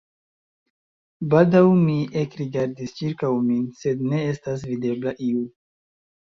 Baldaŭ mi ekrigardis ĉirkaŭ mi, sed ne estas videbla iu.